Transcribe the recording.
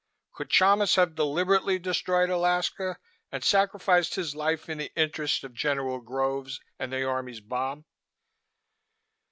Could Chalmis have deliberately destroyed Alaska and sacrificed his life in the interest of General Groves and the Army's bomb?"